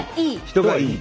人がいい？